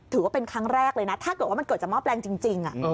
ถือว่าเป็นครั้งแรกเลยนะถ้าเกิดว่ามันเกิดจากหม้อแปลงจริง